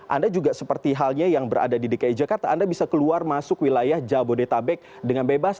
anda juga seperti halnya yang berada di dki jakarta anda bisa keluar masuk wilayah jabodetabek dengan bebas